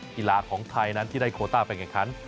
กีฬาของไทยนั้นที่ได้โคต้าไปแข่งขัน